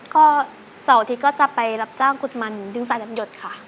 ก็เสาร์อาทิตย์ก็จะไปรับจ้างกุดมันดึงสายน้ำหยดค่ะ